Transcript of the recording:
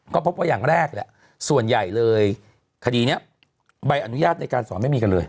ก็พบว่าอย่างแรกแหละส่วนใหญ่เลยคดีนี้ใบอนุญาตในการสอนไม่มีกันเลย